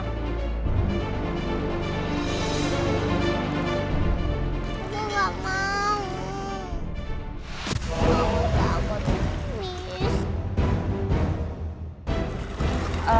gue nggak mau